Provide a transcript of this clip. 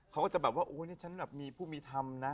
เขาก็จะแบบว่าโอ้ยนี่ฉันแบบมีผู้มีธรรมนะ